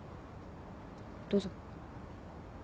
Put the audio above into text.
どうぞ。